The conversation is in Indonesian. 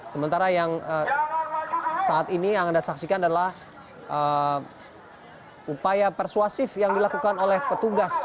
sementara yang saat ini yang anda saksikan adalah upaya persuasif yang dilakukan oleh petugas